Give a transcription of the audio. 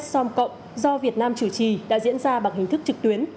som cộng do việt nam chủ trì đã diễn ra bằng hình thức trực tuyến